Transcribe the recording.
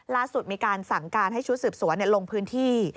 ล่าสุดมีการสั่งการให้ชุดสืบสวนลงพื้นที่